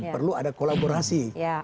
perlu ada kolaborasi